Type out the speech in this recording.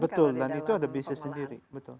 betul dan itu ada bisnis sendiri